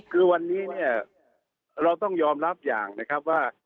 คือวันนี้เนี่ยเราต้องยอมรับอย่างนะครับว่า